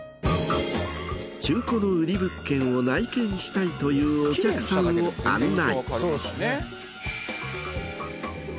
中古の売り物件を内見したいというお客さんを案内。